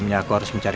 ketika kita mencari